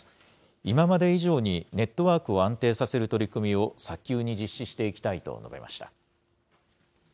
今まで以上にネットワークを安定させる取り組みを早急に実施していきたいと述べました。